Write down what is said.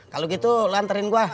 kalau gitu lanterin gue